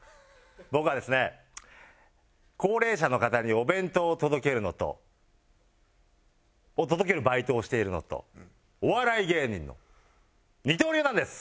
僕はですね高齢者の方にお弁当を届けるのと。を届けるバイトをしているのとお笑い芸人の二刀流なんです！